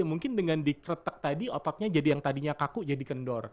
mungkin dengan dikretek tadi ototnya jadi yang tadinya kaku jadi kendor